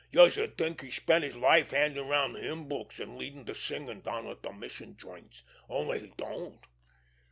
Youse'd think he spent his life handin' around hymn books an' leadin' de singin' down at de mission joints—only he don't!